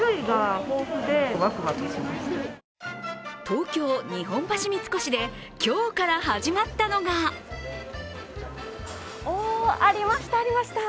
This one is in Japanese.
東京・日本橋三越で今日から始まったのがありました、ありました。